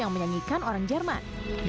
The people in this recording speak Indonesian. yang menyanyikan orang jerman